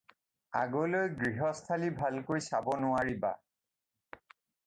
আগলৈ গৃহস্থালী ভালকৈ চাব নোৱাৰিবা।